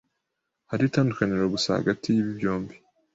Hariho itandukaniro gusa hagati yibi byombi.